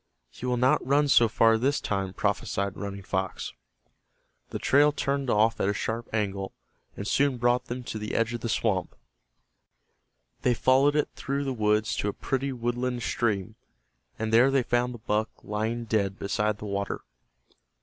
"He will not run so far this time," prophesied Running Fox. The trail turned off at a sharp angle, and soon brought them to the edge of the swamp. They followed it through the woods to a pretty woodland stream, and there they found the buck lying dead beside the water.